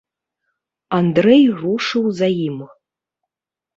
Андрэй рушыў за ім.